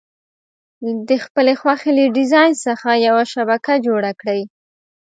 د خپلې خوښې له ډیزاین څخه یوه شبکه جوړه کړئ.